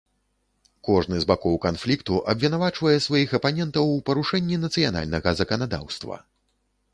Кожны з бакоў канфлікту абвінавачвае сваіх апанентаў у парушэнні нацыянальнага заканадаўства.